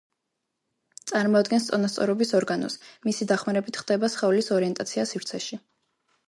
წარმოადგენს წონასწორობის ორგანოს; მისი დახმარებით ხდება სხეულის ორიენტაცია სივრცეში.